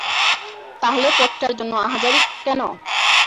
তাহলে পদটার জন্য আহাজারি কেন?